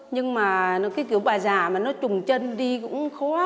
nhưng mà cái kiểu bà già mà nó trùng chân đi cũng khó